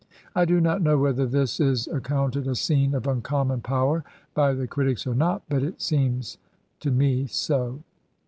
I do not know whether this is accounted a scene of imcommon power by the critics or not, but it seems to me so.